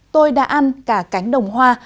tôi đã ăn cả cánh đồng hoa